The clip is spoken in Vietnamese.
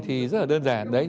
thì rất là đơn giản